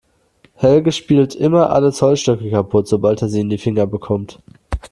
Helge spielt immer alle Zollstöcke kaputt, sobald er sie in die Finger bekommt.